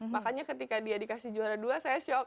makanya ketika dia dikasih juara dua saya shock